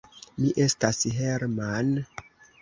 Mi estas Hermann!